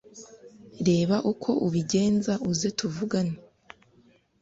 reba uko ubigenza uze tuvugane